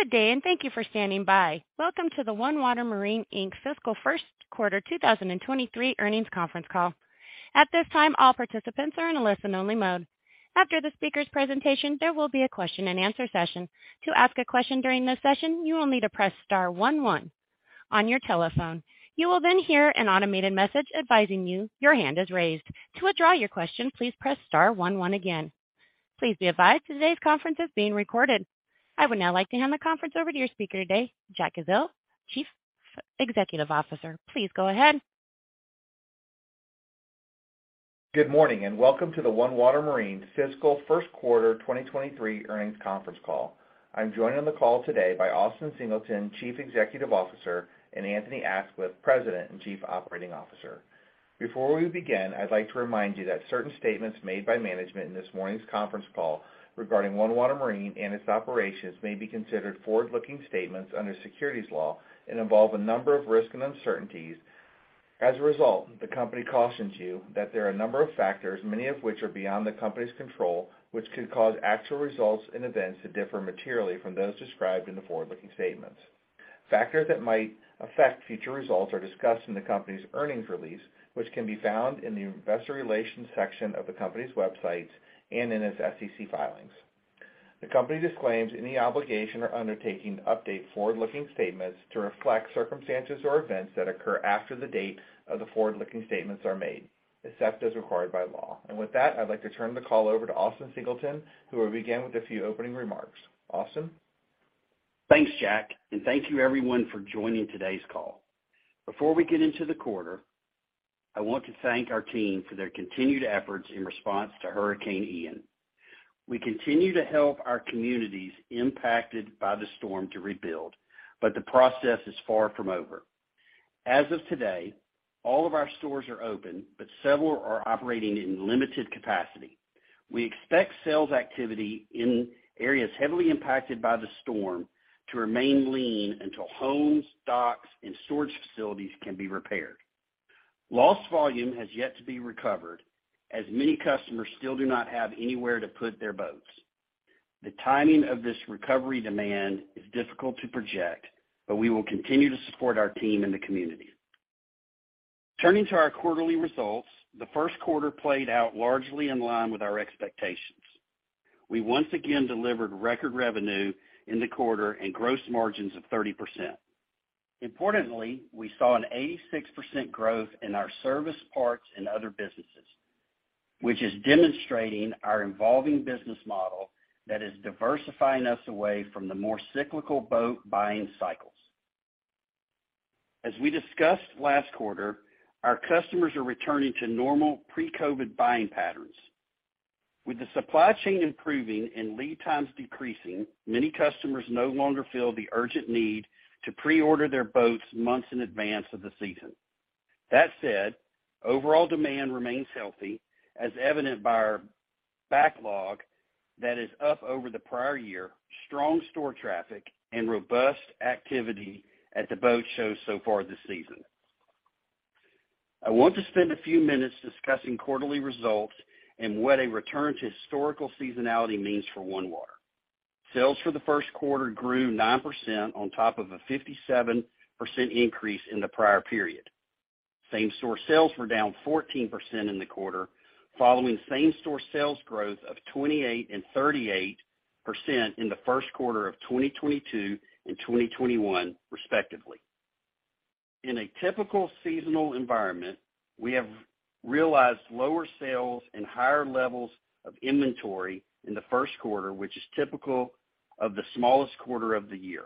Good day, and thank you for standing by. Welcome to the OneWater Marine Inc. fiscal first quarter 2023 earnings conference call. At this time, all participants are in a listen-only mode. After the speaker's presentation, there will be a question-and-answer session. To ask a question during this session, you will need to press star one one on your telephone. You will then hear an automated message advising you your hand is raised. To withdraw your question, please press star one one again. Please be advised today's conference is being recorded. I would now like to hand the conference over to your speaker today, Jack Ezzell, Chief Financial Officer. Please go ahead. Good morning, and welcome to the OneWater Marine fiscal first quarter 2023 earnings conference call. I'm joined on the call today by Austin Singleton, Chief Executive Officer, and Anthony Aisquith, President and Chief Operating Officer. Before we begin, I'd like to remind you that certain statements made by management in this morning's conference call regarding OneWater Marine and its operations may be considered forward-looking statements under securities law and involve a number of risks and uncertainties. As a result, the company cautions you that there are a number of factors, many of which are beyond the company's control, which could cause actual results and events to differ materially from those described in the forward-looking statements. Factors that might affect future results are discussed in the company's earnings release, which can be found in the investor relations section of the company's websites and in its SEC filings. The company disclaims any obligation or undertaking to update forward-looking statements to reflect circumstances or events that occur after the date of the forward-looking statements are made, except as required by law. With that, I'd like to turn the call over to Austin Singleton, who will begin with a few opening remarks. Austin? Thanks, Jack. Thank you everyone for joining today's call. Before we get into the quarter, I want to thank our team for their continued efforts in response to Hurricane Ian. We continue to help our communities impacted by the storm to rebuild. The process is far from over. As of today, all of our stores are open. Several are operating in limited capacity. We expect sales activity in areas heavily impacted by the storm to remain lean until homes, docks, and storage facilities can be repaired. Lost volume has yet to be recovered, as many customers still do not have anywhere to put their boats. The timing of this recovery demand is difficult to project. We will continue to support our team in the community. Turning to our quarterly results, the first quarter played out largely in line with our expectations. We once again delivered record revenue in the quarter and gross margins of 30%. Importantly, we saw an 86% growth in our service parts and other businesses, which is demonstrating our evolving business model that is diversifying us away from the more cyclical boat buying cycles. As we discussed last quarter, our customers are returning to normal pre-COVID buying patterns. With the supply chain improving and lead times decreasing, many customers no longer feel the urgent need to pre-order their boats months in advance of the season. That said, overall demand remains healthy, as evident by our backlog that is up over the prior year, strong store traffic, and robust activity at the boat shows so far this season. I want to spend a few minutes discussing quarterly results and what a return to historical seasonality means for OneWater. Sales for the first quarter grew 9% on top of a 57% increase in the prior period. Same-store sales were down 14% in the quarter, following same-store sales growth of 28% and 38% in the first quarter of 2022 and 2021 respectively. In a typical seasonal environment, we have realized lower sales and higher levels of inventory in the first quarter, which is typical of the smallest quarter of the year.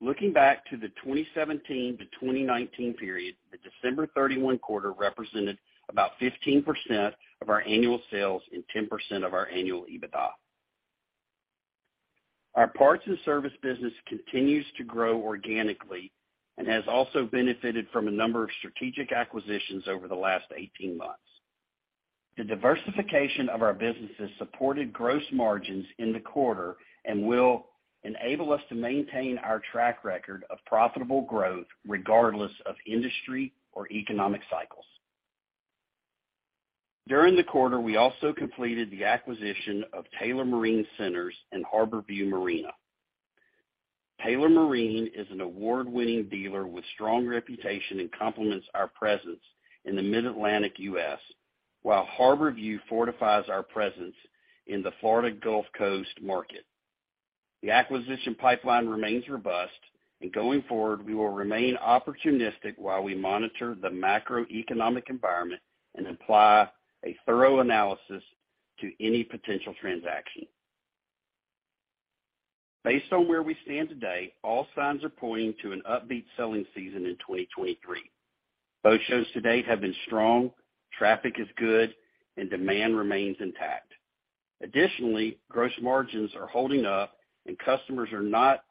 Looking back to the 2017 to 2019 period, the December 31 quarter represented about 15% of our annual sales and 10% of our annual EBITDA. Our parts and service business continues to grow organically and has also benefited from a number of strategic acquisitions over the last 18 months. The diversification of our businesses supported gross margins in the quarter and will enable us to maintain our track record of profitable growth regardless of industry or economic cycles. During the quarter, we also completed the acquisition of Taylor Marine Centers and Harbor View Marine. Taylor Marine is an award-winning dealer with strong reputation and complements our presence in the Mid-Atlantic U.S., while Harbor View fortifies our presence in the Florida Gulf Coast market. The acquisition pipeline remains robust. Going forward, we will remain opportunistic while we monitor the macroeconomic environment and apply a thorough analysis to any potential transaction. Based on where we stand today, all signs are pointing to an upbeat selling season in 2023. Boat shows to date have been strong, traffic is good, and demand remains intact. Additionally, gross margins are holding up, and customers are not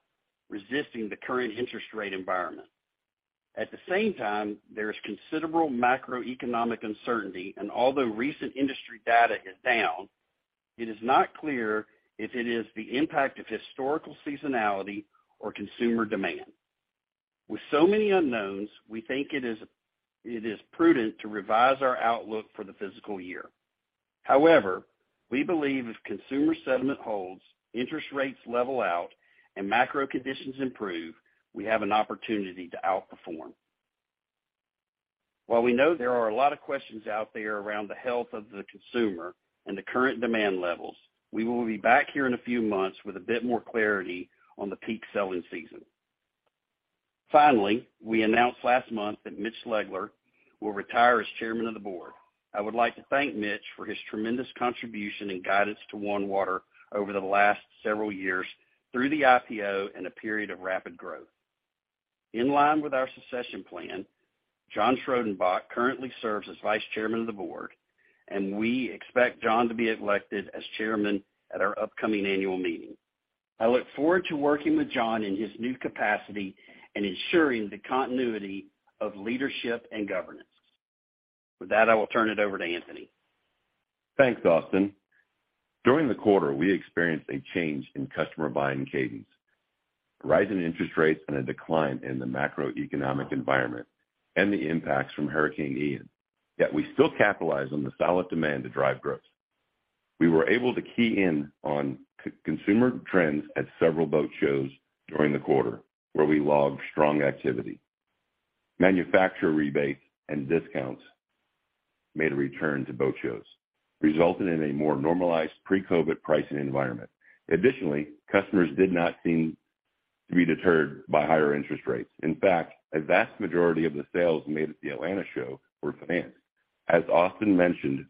resisting the current interest rate environment. At the same time, there is considerable macroeconomic uncertainty, although recent industry data is down, it is not clear if it is the impact of historical seasonality or consumer demand. With so many unknowns, we think it is prudent to revise our outlook for the fiscal year. We believe if consumer sentiment holds, interest rates level out, and macro conditions improve, we have an opportunity to outperform. We know there are a lot of questions out there around the health of the consumer and the current demand levels, we will be back here in a few months with a bit more clarity on the peak selling season. We announced last month that Mitch Legler will retire as Chairman of the Board. I would like to thank Mitch for his tremendous contribution and guidance to OneWater over the last several years through the IPO and a period of rapid growth. In line with our succession plan, John Schraudenbach currently serves as Vice Chairman of the Board, and we expect John to be elected as Chairman at our upcoming annual meeting. I look forward to working with John in his new capacity and ensuring the continuity of leadership and governance. With that, I will turn it over to Anthony. Thanks, Austin. During the quarter, we experienced a change in customer buying cadence. Rise in interest rates and a decline in the macroeconomic environment and the impacts from Hurricane Ian, yet we still capitalize on the solid demand to drive growth. We were able to key in on consumer trends at several boat shows during the quarter, where we logged strong activity. Manufacturer rebates and discounts made a return to boat shows, resulting in a more normalized pre-COVID pricing environment. Additionally, customers did not seem to be deterred by higher interest rates. In fact, a vast majority of the sales made at the Atlanta Show were financed. As often mentioned,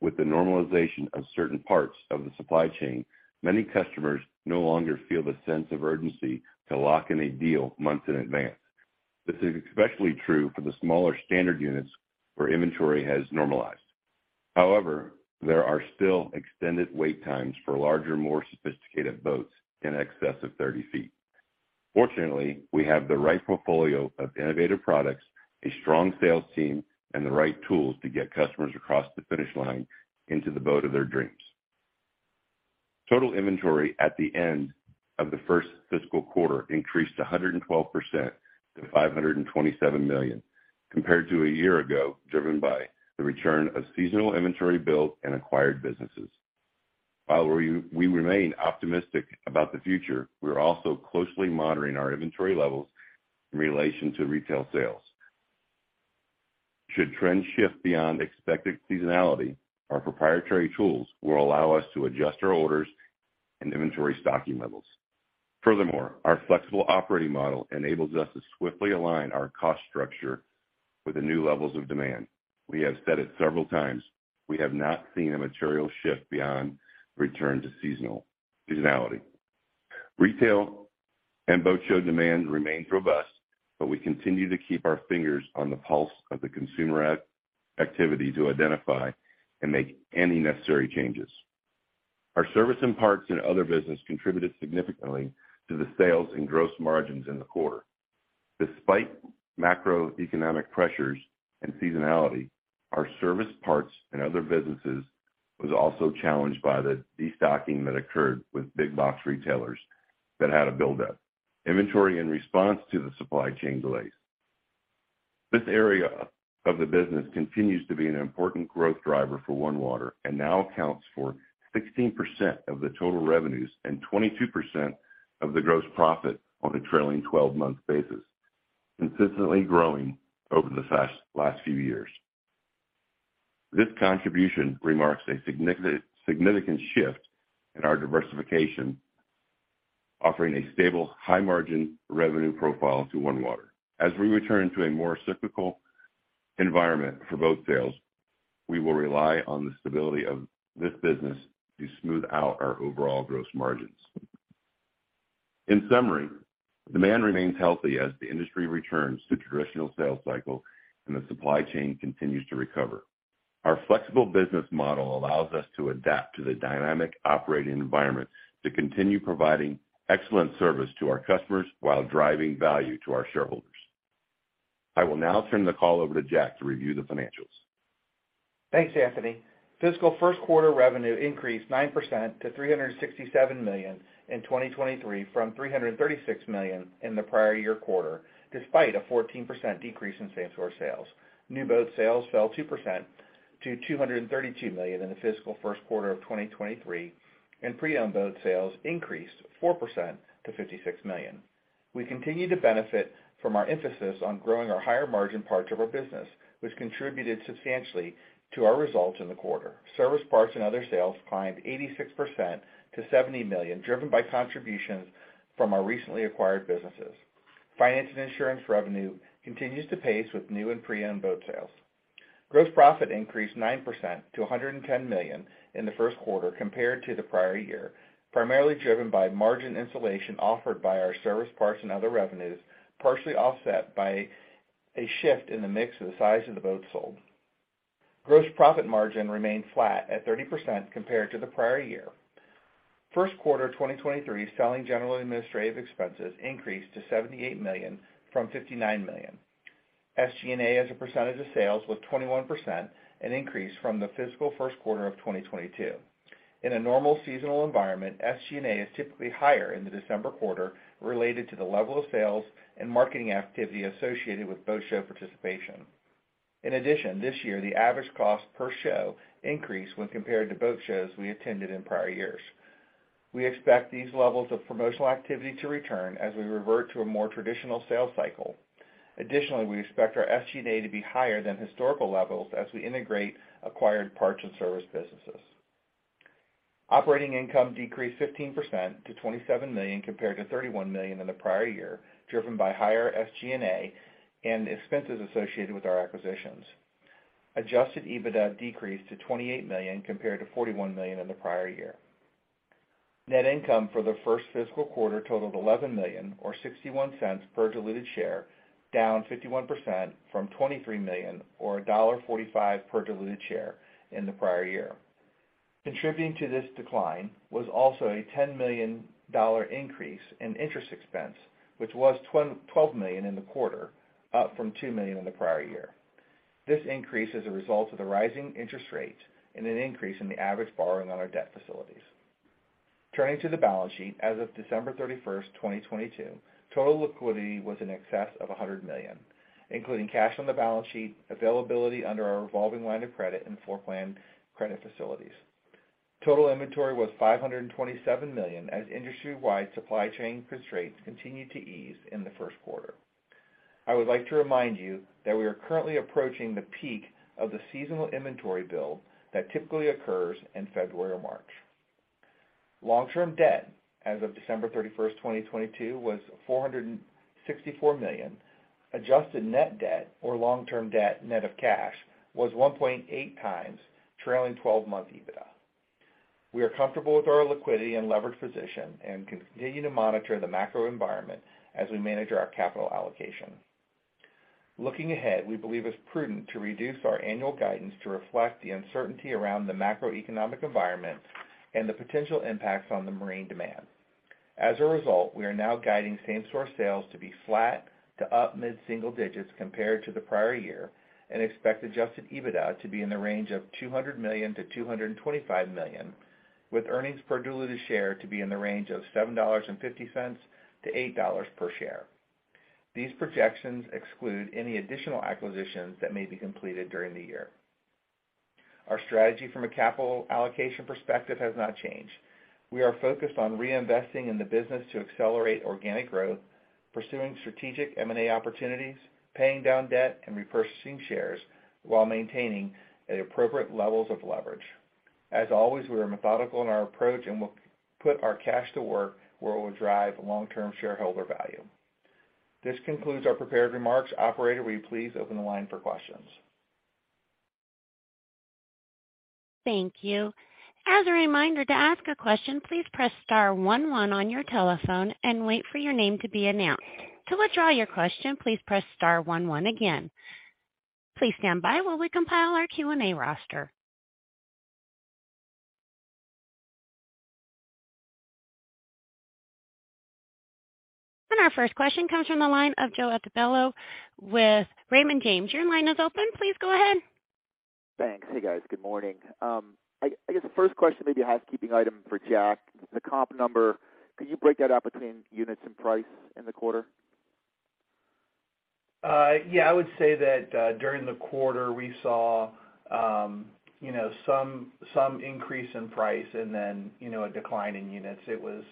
with the normalization of certain parts of the supply chain, many customers no longer feel the sense of urgency to lock in a deal months in advance. This is especially true for the smaller standard units where inventory has normalized. However, there are still extended wait times for larger, more sophisticated boats in excess of 30 feet. Fortunately, we have the right portfolio of innovative products, a strong sales team, and the right tools to get customers across the finish line into the boat of their dreams. Total inventory at the end of the first fiscal quarter increased 112% to $527 million compared to a year ago, driven by the return of seasonal inventory built and acquired businesses. While we remain optimistic about the future, we are also closely monitoring our inventory levels in relation to retail sales. Should trends shift beyond expected seasonality, our proprietary tools will allow us to adjust our orders and inventory stocking levels. Furthermore, our flexible operating model enables us to swiftly align our cost structure with the new levels of demand. We have said it several times, we have not seen a material shift beyond return to seasonality. Retail and boat show demand remains robust, but we continue to keep our fingers on the pulse of the consumer activity to identify and make any necessary changes. Our service and parts and other business contributed significantly to the sales and gross margins in the quarter. Despite macroeconomic pressures and seasonality, our service parts and other businesses was also challenged by the destocking that occurred with big box retailers that had a buildup. Inventory in response to the supply chain delays. This area of the business continues to be an important growth driver for OneWater and now accounts for 16% of the total revenues and 22% of the gross profit on a trailing 12-month basis, consistently growing over the past few years. This contribution marks a significant shift in our diversification, offering a stable high-margin revenue profile to OneWater. As we return to a more cyclical environment for boat sales, we will rely on the stability of this business to smooth out our overall gross margins. In summary, demand remains healthy as the industry returns to traditional sales cycle and the supply chain continues to recover. Our flexible business model allows us to adapt to the dynamic operating environment to continue providing excellent service to our customers while driving value to our shareholders. I will now turn the call over to Jack to review the financials. Thanks, Anthony. Fiscal first quarter revenue increased 9% to $367 million in 2023 from $336 million in the prior year quarter, despite a 14% decrease in same-store sales. New boat sales fell 2% to $232 million in the fiscal first quarter of 2023. Pre-owned boat sales increased 4% to $56 million. We continue to benefit from our emphasis on growing our higher-margin parts of our business, which contributed substantially to our results in the quarter. Service parts and other sales climbed 86% to $70 million, driven by contributions from our recently acquired businesses. Finance and insurance revenue continues to pace with new and pre-owned boat sales. Gross profit increased 9% to $110 million in the first quarter compared to the prior year, primarily driven by margin insulation offered by our service parts and other revenues, partially offset by a shift in the mix of the size of the boats sold. Gross profit margin remained flat at 30% compared to the prior year. First quarter of 2023, selling general administrative expenses increased to $78 million from $59 million. SG&A as a percentage of sales was 21%, an increase from the fiscal first quarter of 2022. In a normal seasonal environment, SG&A is typically higher in the December quarter related to the level of sales and marketing activity associated with boat show participation. This year the average cost per show increased when compared to boat shows we attended in prior years. We expect these levels of promotional activity to return as we revert to a more traditional sales cycle. Additionally, we expect our SG&A to be higher than historical levels as we integrate acquired parts and service businesses. Operating income decreased 15% to $27 million compared to $31 million in the prior year, driven by higher SG&A and expenses associated with our acquisitions. Adjusted EBITDA decreased to $28 million compared to $41 million in the prior year. Net income for the first fiscal quarter totaled $11 million or $0.61 per diluted share, down 51% from $23 million or $1.45 per diluted share in the prior year. Contributing to this decline was also a $10 million increase in interest expense, which was $12 million in the quarter, up from $2 million in the prior year. This increase is a result of the rising interest rates and an increase in the average borrowing on our debt facilities. Turning to the balance sheet, as of December 31st, 2022, total liquidity was in excess of $100 million, including cash on the balance sheet, availability under our revolving line of credit and floor plan credit facilities. Total inventory was $527 million, as industry-wide supply chain constraints continued to ease in the first quarter. I would like to remind you that we are currently approaching the peak of the seasonal inventory build that typically occurs in February or March. Long-term debt as of December 31st, 2022, was $464 million. Adjusted net debt or long-term debt, net of cash, was 1.8x trailing 12-month EBITDA. We are comfortable with our liquidity and leverage position and continue to monitor the macro environment as we manage our capital allocation. Looking ahead, we believe it's prudent to reduce our annual guidance to reflect the uncertainty around the macroeconomic environment and the potential impacts on the marine demand. As a result, we are now guiding same-store sales to be flat to up mid-single digits compared to the prior year, and expect Adjusted EBITDA to be in the range of $200 million-$225 million, with earnings per diluted share to be in the range of $7.50-$8.00 per share. These projections exclude any additional acquisitions that may be completed during the year. Our strategy from a capital allocation perspective has not changed. We are focused on reinvesting in the business to accelerate organic growth, pursuing strategic M&A opportunities, paying down debt, and repurchasing shares while maintaining at appropriate levels of leverage. As always, we are methodical in our approach. We'll put our cash to work where it will drive long-term shareholder value. This concludes our prepared remarks. Operator, will you please open the line for questions? Thank you. As a reminder, to ask a question, please press star one one on your telephone and wait for your name to be announced. To withdraw your question, please press star one one again. Please stand by while we compile our Q&A roster. Our first question comes from the line of Joe Altobello with Raymond James. Your line is open. Please go ahead. Thanks. Hey, guys. Good morning. I guess the first question may be a housekeeping item for Jack. The comp number, could you break that out between units and price in the quarter? Yeah. I would say that, during the quarter we saw, you know, some increase in price and then, you know, a decline in units. It was,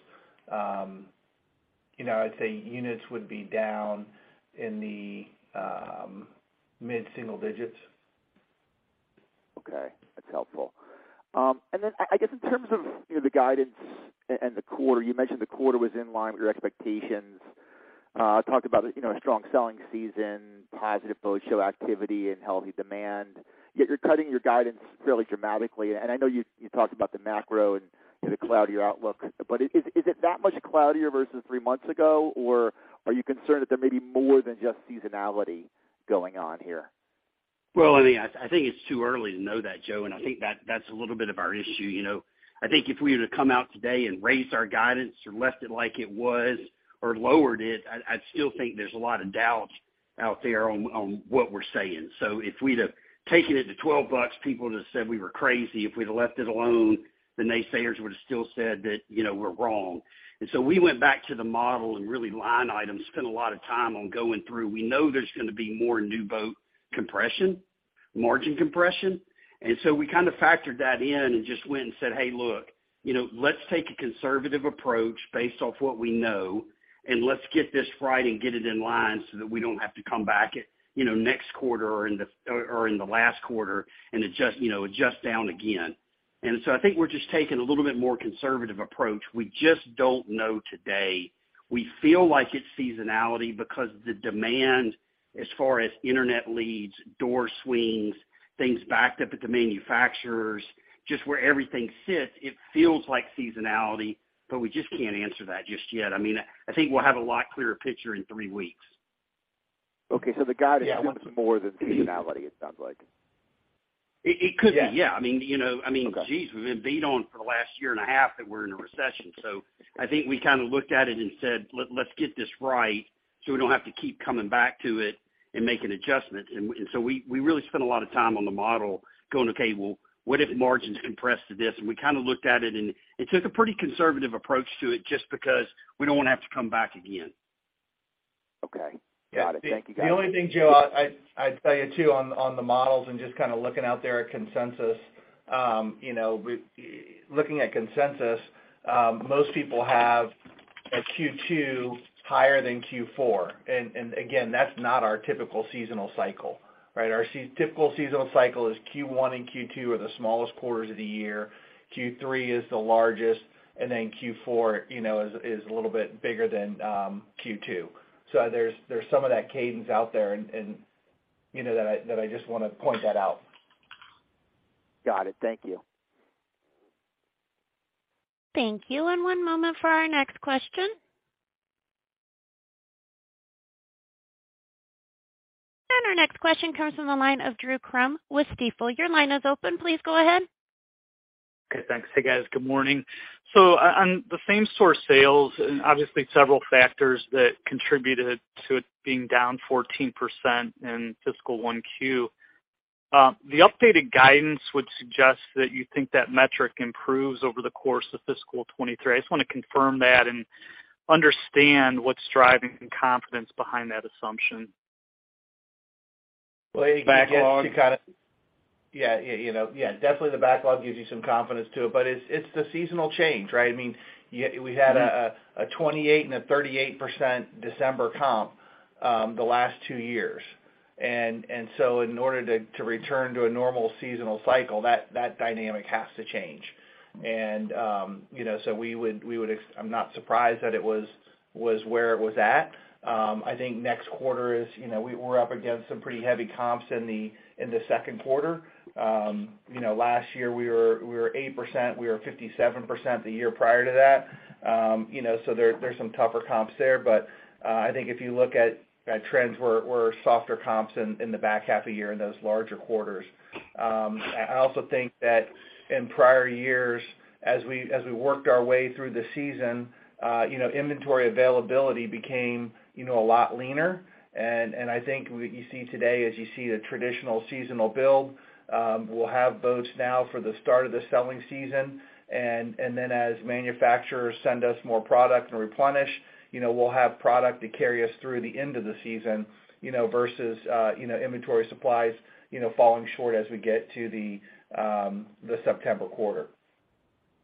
you know, I'd say units would be down in the mid-single digits. Okay, that's helpful. I guess in terms of, you know, the guidance and the quarter, you mentioned the quarter was in line with your expectations, talked about, you know, a strong selling season, positive boat show activity and healthy demand, yet you're cutting your guidance fairly dramatically. I know you talked about the macro and, you know, the cloudier outlook, but is it that much cloudier versus three months ago, or are you concerned that there may be more than just seasonality going on here? Well, I mean, I think it's too early to know that, Joe, I think that's a little bit of our issue, you know. I think if we were to come out today and raise our guidance or left it like it was or lowered it, I'd still think there's a lot of doubt out there on what we're saying. If we'd have taken it to $12, people would've said we were crazy. If we'd have left it alone, the naysayers would've still said that, you know, we're wrong. We went back to the model and really line item, spent a lot of time on going through. We know there's gonna be more new boat compression, margin compression. We kind of factored that in and just went and said, "Hey, look, you know, let's take a conservative approach based off what we know, and let's get this right and get it in line so that we don't have to come back, you know, next quarter or in the last quarter and adjust, you know, adjust down again." I think we're just taking a little bit more conservative approach. We just don't know today. We feel like it's seasonality because the demand as far as internet leads, door swings, things backed up at the manufacturers, just where everything sits, it feels like seasonality, but we just can't answer that just yet. I mean, I think we'll have a lot clearer picture in three weeks. Okay. Yeah. Is more than seasonality, it sounds like. It could be, yeah. I mean, you know. Okay. Geez, we've been beat on for the last year and a half that we're in a recession. I think we kind of looked at it and said, let's get this right so we don't have to keep coming back to it and making adjustments. We really spent a lot of time on the model going, "Okay, well, what if margins compress to this?" We kind of looked at it, and it took a pretty conservative approach to it just because we don't want to have to come back again. Okay. Got it. Thank you, guys. The only thing, Joe, I'd tell you too on the models and just kind of looking out there at consensus, you know, Looking at consensus, most people have a Q2 higher than Q4. Again, that's not our typical seasonal cycle, right? Our typical seasonal cycle is Q1 and Q2 are the smallest quarters of the year, Q3 is the largest, and then Q4, you know, is a little bit bigger than Q2. There's some of that cadence out there and, you know, that I just want to point that out. Got it. Thank you. Thank you. One moment for our next question. Our next question comes from the line of Drew Crum with Stifel. Your line is open. Please go ahead. Okay, thanks. Hey, guys. Good morning. On the same-store sales, obviously several factors that contributed to it being down 14% in fiscal 1Q, the updated guidance would suggest that you think that metric improves over the course of fiscal 2023. I just want to confirm that and understand what's driving the confidence behind that assumption. Well, I guess to... Backlog. You know. Definitely the backlog gives you some confidence too, but it's the seasonal change, right? I mean, you know, we had a 28% and a 38% December comp the last two years. In order to return to a normal seasonal cycle, that dynamic has to change. You know, I'm not surprised that it was where it was at. I think next quarter is, you know, we're up against some pretty heavy comps in the second quarter. You know, last year we were 8%. We were 57% the year prior to that. You know, there's some tougher comps there. I think if you look at trends, we're softer comps in the back half of the year in those larger quarters. I also think that in prior years, as we worked our way through the season, you know, inventory availability became, you know, a lot leaner. I think what you see today, as you see a traditional seasonal build, we'll have boats now for the start of the selling season, and then as manufacturers send us more product and replenish, you know, we'll have product to carry us through the end of the season, you know, versus, you know, inventory supplies, you know, falling short as we get to the September quarter.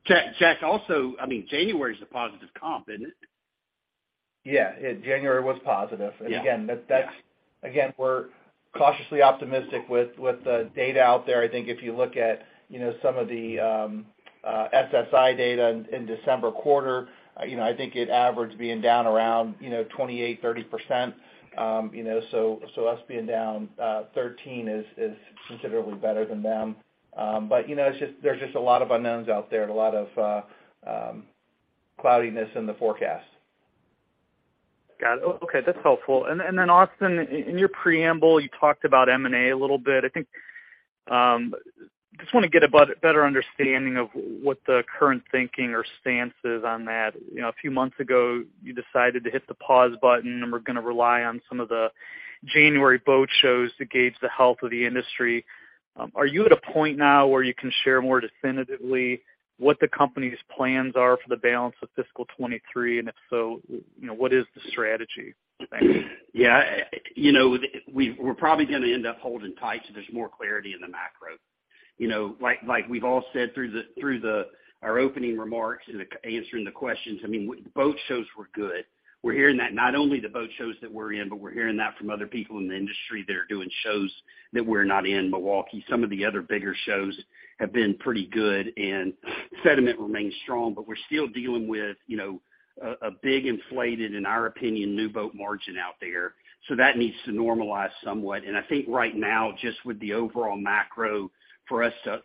Jack also, I mean, January is a positive comp, isn't it? Yeah. January was positive. Yeah. again. Yeah. We're cautiously optimistic with the data out there. I think if you look at, you know, some of the SSI data in December quarter, you know, I think it averaged being down around, you know, 28%-30%. So us being down 13% is considerably better than them. You know, it's just, there's just a lot of unknowns out there and a lot of cloudiness in the forecast. Got it. Okay, that's helpful. Austin, in your preamble, you talked about M&A a little bit. I think, just wanna get a better understanding of what the current thinking or stance is on that. You know, a few months ago, you decided to hit the pause button, and we're gonna rely on some of the January boat shows to gauge the health of the industry. Are you at a point now where you can share more definitively what the company's plans are for the balance of fiscal 2023? If so, you know, what is the strategy? Thanks. Yeah. You know, We're probably gonna end up holding tight so there's more clarity in the macro. You know, like we've all said through our opening remarks and answering the questions, I mean, boat shows were good. We're hearing that not only the boat shows that we're in, but we're hearing that from other people in the industry that are doing shows that we're not in. Milwaukee, some of the other bigger shows have been pretty good and sentiment remains strong. We're still dealing with, you know, a big inflated, in our opinion, new boat margin out there. That needs to normalize somewhat. I think right now, just with the overall macro for us to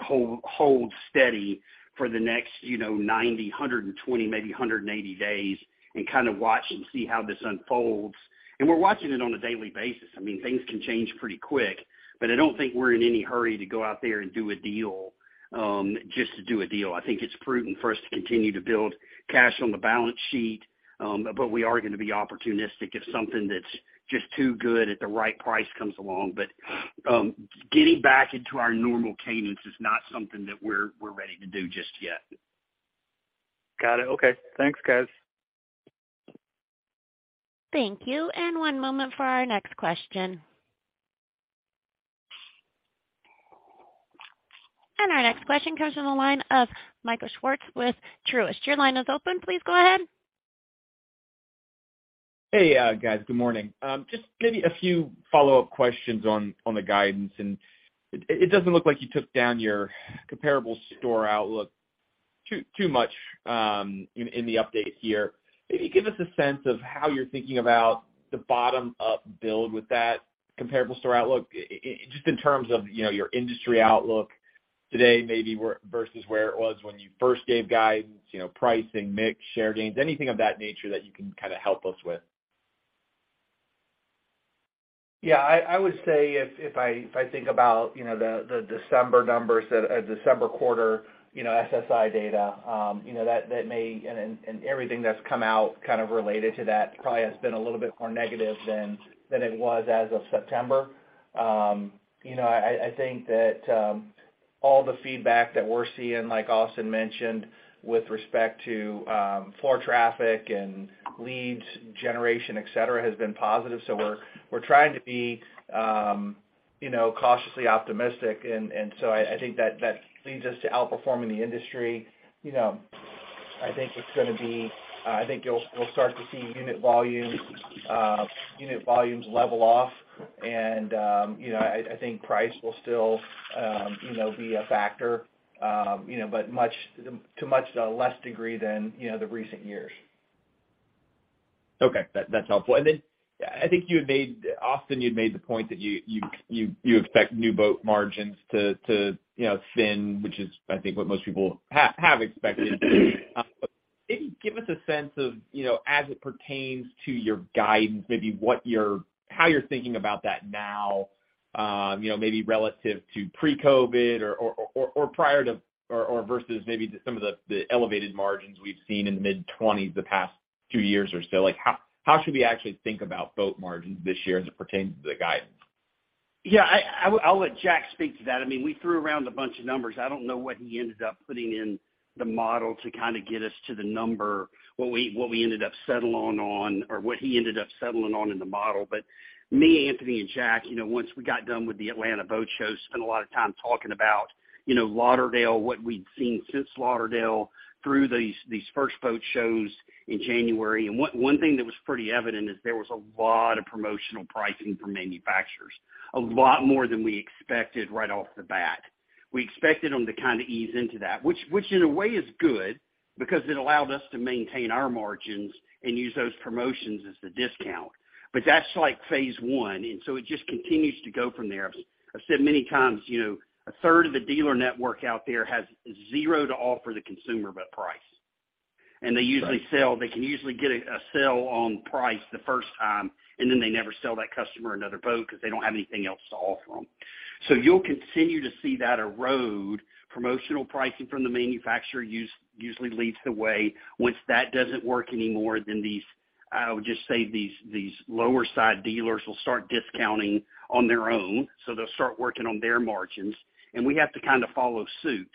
hold steady for the next, you know, 90, 120, maybe 180 days and kind of watch and see how this unfolds. We're watching it on a daily basis. I mean, things can change pretty quick, but I don't think we're in any hurry to go out there and do a deal, just to do a deal. I think it's prudent for us to continue to build cash on the balance sheet. We are gonna be opportunistic if something that's just too good at the right price comes along. Getting back into our normal cadence is not something that we're ready to do just yet. Got it. Okay. Thanks, guys. Thank you. One moment for our next question. Our next question comes from the line of Michael Swartz with Truist. Your line is open. Please go ahead. Hey, guys. Good morning. Just maybe a few follow-up questions on the guidance. It doesn't look like you took down your comparable store outlook too much in the update here. Maybe give us a sense of how you're thinking about the bottom-up build with that comparable store outlook, just in terms of, you know, your industry outlook today, maybe where versus where it was when you first gave guidance, you know, pricing, mix, share gains, anything of that nature that you can kind of help us with. Yeah, I would say if I, if I think about, you know, the December numbers that, December quarter, you know, SSI data, you know, that may and everything that's come out kind of related to that probably has been a little bit more negative than it was as of September. You know, I think that, all the feedback that we're seeing, like Austin mentioned, with respect to floor traffic and leads generation, et cetera, has been positive. We're trying to be, you know, cautiously optimistic. I think that leads us to outperforming the industry. You know, I think it's gonna be. I think we'll start to see unit volume, unit volumes level off and, you know, I think price will still, you know, be a factor, you know, but to much less degree than, you know, the recent years. Okay. That's helpful. Then I think Austin, you'd made the point that you expect new boat margins to, you know, thin, which is I think what most people have expected. Maybe give us a sense of, you know, as it pertains to your guidance, maybe how you're thinking about that now, you know, maybe relative to pre-COVID or prior to or versus maybe some of the elevated margins we've seen in the mid-twenties the past two years or so. Like, how should we actually think about boat margins this year as it pertains to the guidance? Yeah, I'll let Jack speak to that. I mean, we threw around a bunch of numbers. I don't know what he ended up putting in the model to kind of get us to the number, what we ended up settling on or what he ended up settling on in the model. Me, Anthony, and Jack, you know, once we got done with the Atlanta Boat Show, spent a lot of time talking about, you know, Lauderdale, what we'd seen since Lauderdale through these first boat shows in January. One thing that was pretty evident is there was a lot of promotional pricing from manufacturers. A lot more than we expected right off the bat. We expected them to kind of ease into that, which in a way is good because it allowed us to maintain our margins and use those promotions as the discount. That's like phase one, and so it just continues to go from there. I've said many times, you know, a third of the dealer network out there has zero to offer the consumer but price. They usually get a sell on price the first time, and then they never sell that customer another boat because they don't have anything else to offer them. You'll continue to see that erode. Promotional pricing from the manufacturer usually leads the way. Once that doesn't work anymore, these, I would just say these lower side dealers will start discounting on their own, they'll start working on their margins, and we have to kind of follow suit.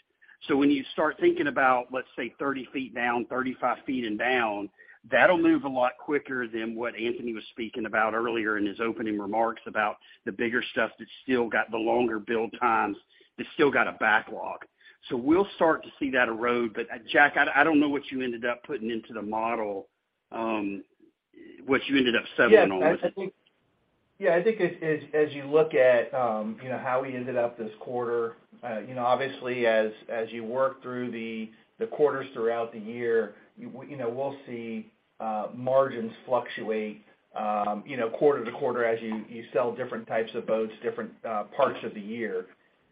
When you start thinking about, let's say, 30 feet down, 35 feet and down, that'll move a lot quicker than what Anthony was speaking about earlier in his opening remarks about the bigger stuff that's still got the longer build times, that's still got a backlog. We'll start to see that erode. Jack, I don't know what you ended up putting into the model, what you ended up settling on. Yeah. I think, yeah, I think as you look at how we ended up this quarter, obviously as you work through the quarters throughout the year, we'll see margins fluctuate quarter to quarter as you sell different types of boats, different parts of the year.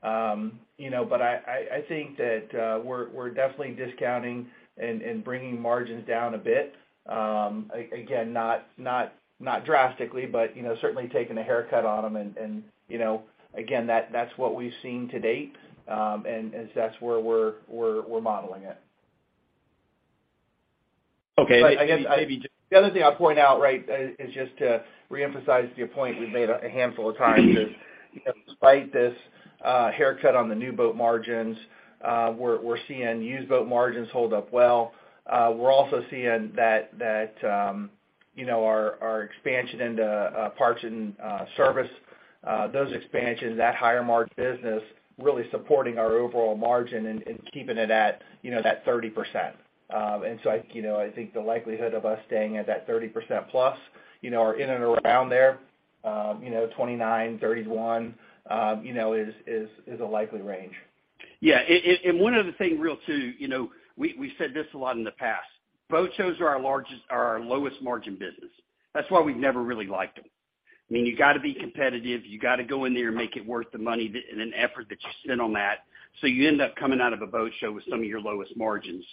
I think that we're definitely discounting and bringing margins down a bit. Again, not drastically, but certainly taking a haircut on them and again, that's what we've seen to date, and that's where we're modeling it. Okay. Maybe. The other thing I'll point out, right, is just to reemphasize the point we've made a handful of times is, you know, despite this, haircut on the new boat margins, we're seeing used boat margins hold up well. We're also seeing that, you know, our expansion into, parts and, service, those expansions, that higher margin business really supporting our overall margin and keeping it at, you know, that 30%. I, you know, I think the likelihood of us staying at that 30% plus, you know, or in and around there, you know, 29%-31%, you know, is a likely range. Yeah. One other thing, Will, too, you know, we said this a lot in the past. Boat shows are our lowest margin business. That's why we've never really liked them. I mean, you got to be competitive. You got to go in there and make it worth the money and effort that you spend on that. You end up coming out of a boat show with some of your lowest margins.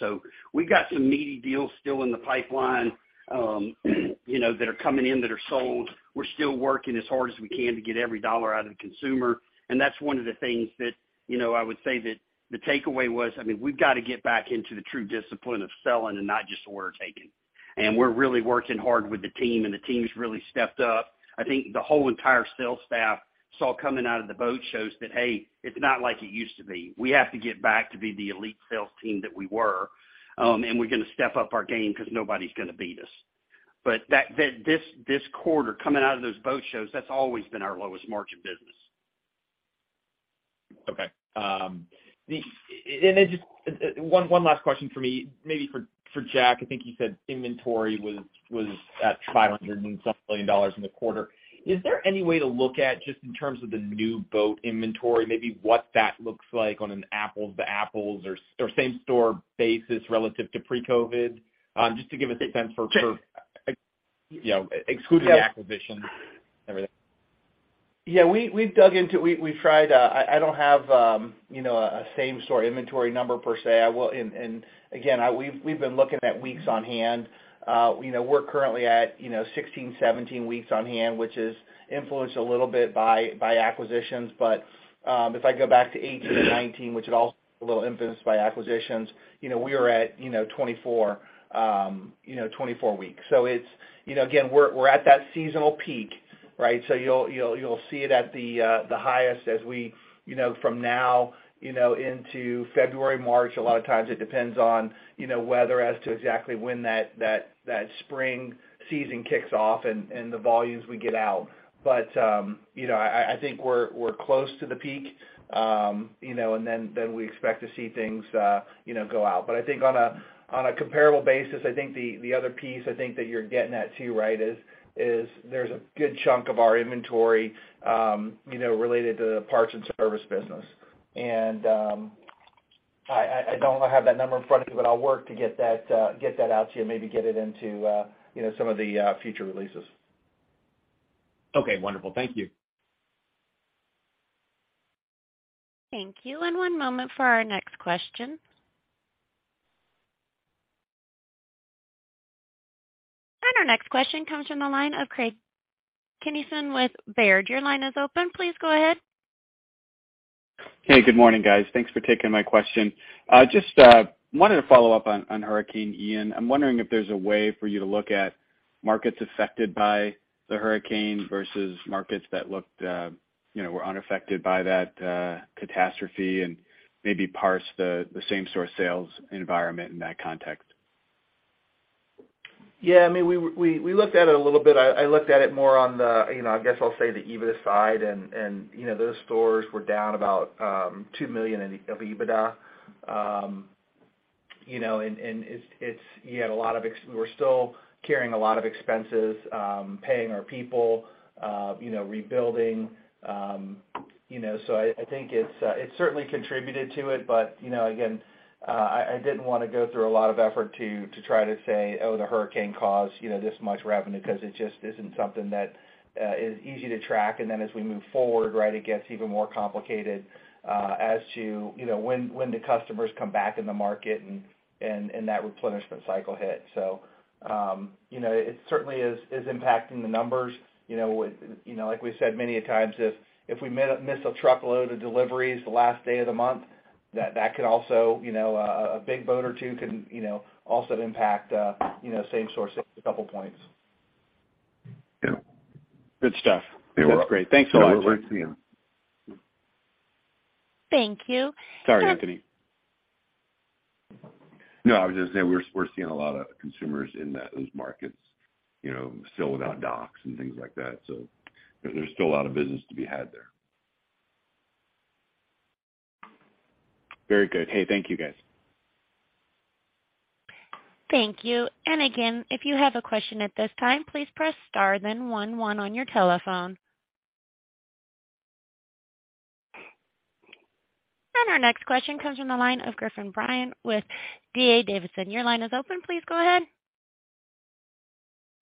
We've got some meaty deals still in the pipeline, you know, that are coming in, that are sold. We're still working as hard as we can to get every dollar out of the consumer. That's one of the things that, you know, I would say that the takeaway was, I mean, we've got to get back into the true discipline of selling and not just order taking. We're really working hard with the team, and the team's really stepped up. I think the whole entire sales staff saw coming out of the boat shows that, hey, it's not like it used to be. We have to get back to be the elite sales team that we were. We're going to step up our game because nobody's going to beat us. This quarter coming out of those boat shows, that's always been our lowest margin business. Okay. Just one last question for me, maybe for Jack. I think you said inventory was at $500 and some million dollars in the quarter. Is there any way to look at just in terms of the new boat inventory, maybe what that looks like on an apples to apples or same-store basis relative to pre-COVID? Just to give a sense for, you know, excluding the acquisition and everything. Yeah, we've tried. I don't have, you know, a same store inventory number per se. Again, we've been looking at weeks on hand. You know, we're currently at, you know, 16, 17 weeks on hand, which is influenced a little bit by acquisitions. If I go back to 18 or 19, which is also a little influenced by acquisitions, you know, we are at, you know, 24, you know, 24 weeks. It's, you know, again, we're at that seasonal peak, right? You'll see it at the highest as we, you know, from now, you know, into February, March. A lot of times it depends on, you know, weather as to exactly when that spring season kicks off and the volumes we get out. You know, I think we're close to the peak, you know, and then we expect to see things, you know, go out. I think on a comparable basis, I think the other piece I think that you're getting at too, right, is there's a good chunk of our inventory, you know, related to the parts and service business. I don't have that number in front of me, but I'll work to get that out to you, maybe get it into, you know, some of the future releases. Okay, wonderful. Thank you. Thank you. One moment for our next question. Our next question comes from the line of Craig Kennison with Baird. Your line is open. Please go ahead. Hey, good morning, guys. Thanks for taking my question. Just wanted to follow up on Hurricane Ian. I'm wondering if there's a way for you to look at markets affected by the hurricane versus markets that looked, you know, were unaffected by that catastrophe and maybe parse the same-store sales environment in that context. Yeah, I mean, we looked at it a little bit. I looked at it more on the, you know, I guess I'll say the EBITDA side and, you know, those stores were down about $2 million in EBITDA. You know, and it's, we're still carrying a lot of expenses, paying our people, you know, rebuilding, you know. I think it's, it certainly contributed to it. You know, again, I didn't wanna go through a lot of effort to try to say, "Oh, the hurricane caused, you know, this much revenue," 'cause it just isn't something that is easy to track. As we move forward, right, it gets even more complicated, as to, you know, when the customers come back in the market and that replenishment cycle hit. You know, it certainly is impacting the numbers. You know, with, you know, like we said many a times, if we miss a truckload of deliveries the last day of the month, that could also, you know, a big boat or two can, you know, also impact, you know, same-store sales a couple points. Yeah. Good stuff. Yeah. That's great. Thanks a lot. Yeah, we're seeing them. Thank you. Sorry, Anthony. I was just saying we're seeing a lot of consumers in that, those markets, you know, still without docks and things like that. There's still a lot of business to be had there. Very good. Hey, thank you, guys. Thank you. Again, if you have a question at this time, please press star then one one on your telephone. Our next question comes from the line of Griffin Ryan with D.A. Davidson. Your line is open. Please go ahead.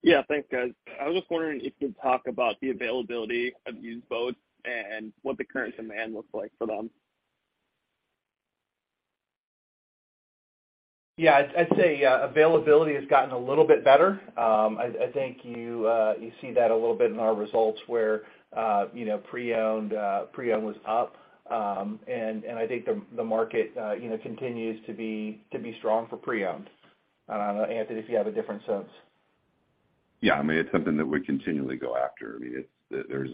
Yeah, thanks, guys. I was just wondering if you'd talk about the availability of used boats and what the current demand looks like for them? Yeah, I'd say availability has gotten a little bit better. I think you see that a little bit in our results where, you know, pre-owned was up. I think the market, you know, continues to be strong for pre-owned. I don't know, Anthony, if you have a different sense. Yeah. I mean, it's something that we continually go after. I mean, there's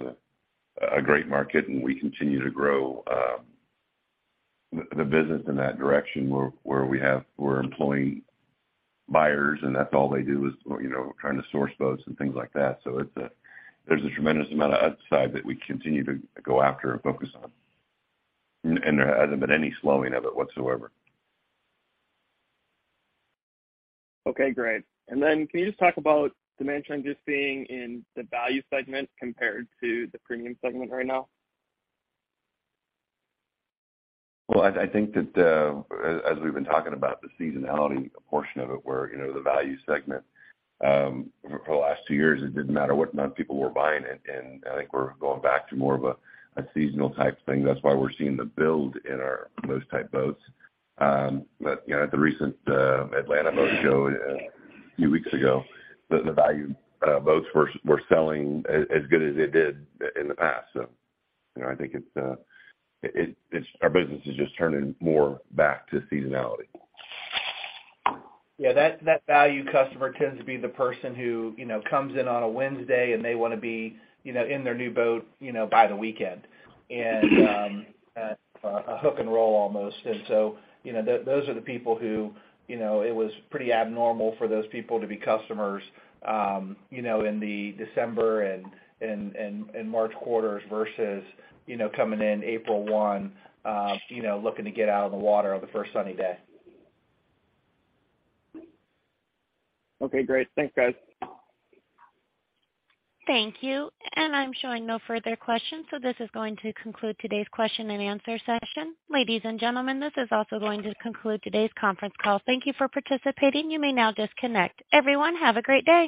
a great market, and we continue to grow the business in that direction where we're employing buyers, and that's all they do is, well, you know, trying to source boats and things like that. There's a tremendous amount of upside that we continue to go after and focus on. There hasn't been any slowing of it whatsoever. Okay, great. Can you just talk about demand trends you're seeing in the value segment compared to the premium segment right now? Well, I think that, as we've been talking about the seasonality portion of it where, you know, the value segment, for the last two years, it didn't matter what amount of people were buying. I think we're going back to more of a seasonal type thing. That's why we're seeing the build in our those type boats. You know, at the recent Atlanta Boat Show a few weeks ago, the value boats were selling as good as it did in the past. You know, I think it's our business is just turning more back to seasonality. Yeah, that value customer tends to be the person who, you know, comes in on a Wednesday, and they wanna be, you know, in their new boat, you know, by the weekend. A hook and roll almost. You know, those are the people who, you know, it was pretty abnormal for those people to be customers, you know, in the December and March quarters versus, you know, coming in April 1, you know, looking to get out on the water on the first sunny day. Okay, great. Thanks, guys. Thank you. I'm showing no further questions, this is going to conclude today's question and answer session. Ladies and gentlemen, this is also going to conclude today's conference call. Thank you for participating. You may now disconnect. Everyone, have a great day.